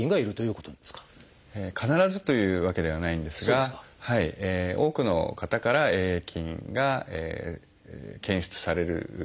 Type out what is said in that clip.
必ずというわけではないんですが多くの方からＡ．ａ．菌が検出されております。